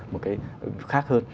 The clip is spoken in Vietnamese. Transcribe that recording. một cái khác hơn